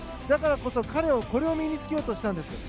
だからこそ彼はこれを身に着けようとしました。